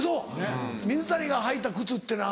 水谷が履いた靴ってのは。